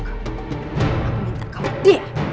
aku minta kamu diam